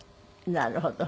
なるほど。